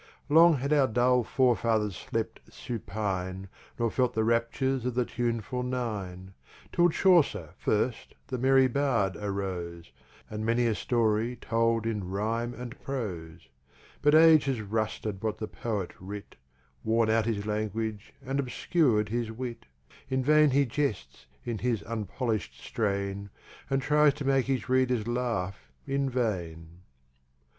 Long had our dull Fore Fathers slept Supine, Nor felt the Raptures of the Tuneful Nine; Till Chaucer first, the merry Bard, arose; And many a Story told in Rhime and Prose. But Age has Rusted what the Poet writ, Worn out his Language, and obscur'd his Wit: In vain he jests in his unpolish'd strain, And tries to make his Readers laugh in vain.